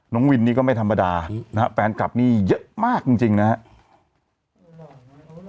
น้องวินนี่ก็ไม่ธรรมดานะฮะแฟนคลับนี่เยอะมากจริงนะครับ